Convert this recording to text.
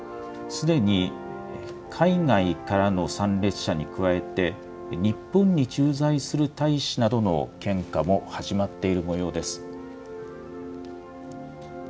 すでに海外からの参列者に加えて、日本に駐在する大使などの献花も始まっているもようです。